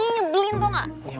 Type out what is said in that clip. iiih belin tau gak